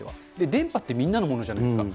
電波ってみんなのものじゃないですか。